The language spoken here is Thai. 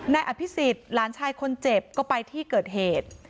นายอภิษฎหลานชายคนเจ็บก็ไปที่เกิดเหตุ